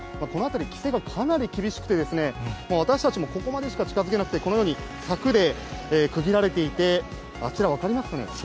この辺り、規制がかなり厳しくてですね、私たちもここまでしか近づけなくて、このように柵で区切られていて、あちら、分かりますかね？